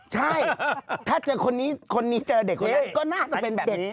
ใช่ถ้าเจอคนนี้คนนี้เจอเด็กคนนี้ก็น่าจะเป็นแบบนี้